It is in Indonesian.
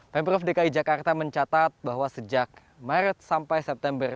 pemprov dki jakarta mencatat bahwa sejak maret sampai september